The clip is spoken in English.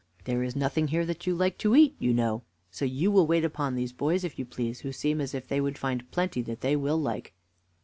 There is nothing here that you like to eat, you know; so you will wait upon these boys, if you please, who seem as if they would find plenty that they will like."